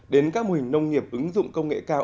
đến các mô hình nông nghiệp ứng dụng công nghệ cao